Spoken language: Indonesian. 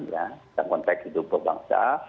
dalam konteks hidup perbangsa